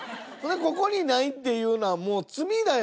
ここにないっていうのはもう罪だよ。